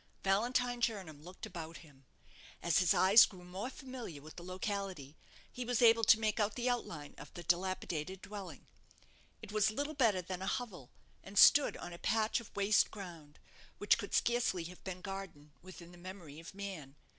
Valentine Jernam looked about him. As his eyes grew more familiar with the locality, he was able to make out the outline of the dilapidated dwelling. It was little better than a hovel, and stood on a patch of waste ground, which could scarcely have been garden within the memory of man.